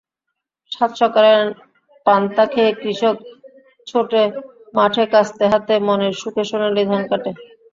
সাতসকালে পান্তা খেয়ে কৃষক ছোটে মাঠেকাস্তে হাতে মনের সুখে সোনালি ধান কাটে।